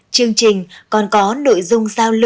chương trình còn có nội dung giao lưu